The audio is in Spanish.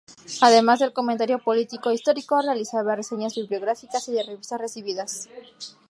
Además del comentario político e histórico, realizaba reseñas bibliográficas y de revistas recibidas.